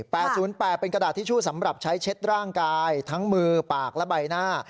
แปดศูนย์แปดเป็นกระดาษทิชชู่สำหรับใช้เช็ดร่างกายทั้งมือปากและใบหน้า